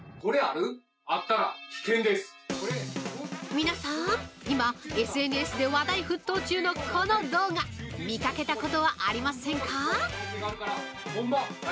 ◆皆さん、今ＳＮＳで話題沸騰中のこの動画、見かけたことはありませんか？